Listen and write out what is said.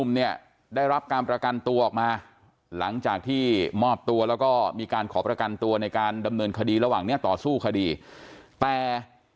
ที่มอบตัวแล้วก็มีการขอประกันตัวในการดำเนินคดีระหว่างเนี่ยต่อสู้คดีแต่